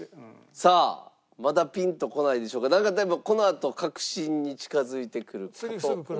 さあまだピンとこないでしょうがなんかでもこのあと確信に近づいてくるかと思います。